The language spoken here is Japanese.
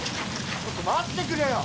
ちょっと待ってくれよ！